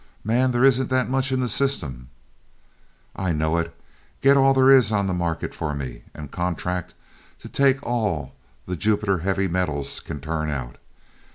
"Man, there isn't that much in the system." "I know it. Get all there is on the market for me, and contract to take all the 'Jupiter Heavy Metals' can turn out.